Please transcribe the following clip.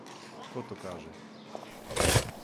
Ко то каже!